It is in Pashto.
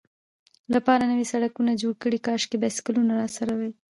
لپاره نوي سړکونه جوړ کړي، کاشکې بایسکلونه راسره وای.